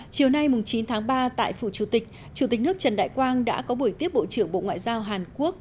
chiều nay chín tháng ba tại phủ chủ tịch chủ tịch nước trần đại quang đã có buổi tiếp bộ trưởng bộ ngoại giao hàn quốc